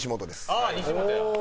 あっ西本や。